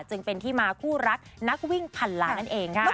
จึงเป็นที่มาคู่รักนักวิ่งพันล้านนั่นเองค่ะ